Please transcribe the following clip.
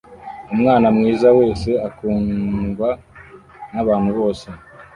umwana mwiza wese akundwa nabantu bose